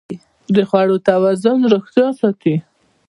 د خوړو توازن روغتیا ساتي.